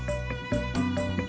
kamu sama amin